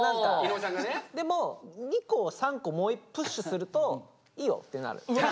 でも２個３個もうプッシュすると「いいよ」ってなる。